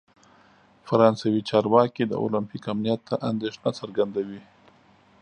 فرانسوي چارواکي د اولمپیک امنیت ته اندیښنه څرګندوي.